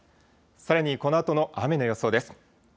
さらにこのあとの雨の予想です。